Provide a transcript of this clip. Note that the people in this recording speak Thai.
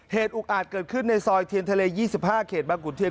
อุกอาจเกิดขึ้นในซอยเทียนทะเล๒๕เขตบางขุนเทียน